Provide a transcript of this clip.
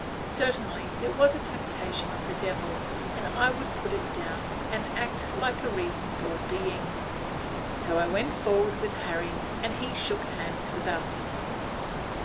Certainly it was a temptation of the Devil, and I would put it down, and act like a reasonable being. So I went forward with Harry, and he shook hands with us.